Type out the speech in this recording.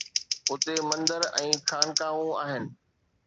اتي مندر ۽ خانقاهون آهن